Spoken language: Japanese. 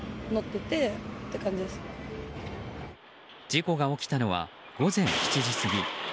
事故が起きたのは午前７時過ぎ。